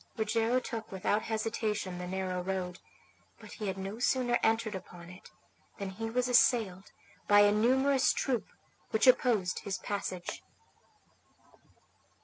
Rogero took without hesitation the narrow road; but he had no sooner entered upon it than he was assailed by a numerous troop which opposed his passage.